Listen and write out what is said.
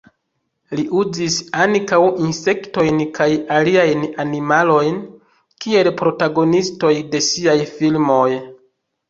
Li uzis ankaŭ insektojn kaj aliajn animalojn kiel protagonistoj de siaj filmoj.